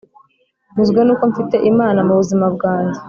nyuzwe nuko mfite Imana mu buzima bwanjye